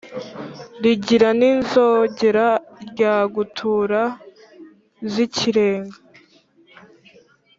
rigira n’inzogera, ryagutura zikirenga